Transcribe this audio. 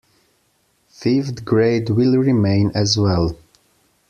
Fifth grade will remain as well.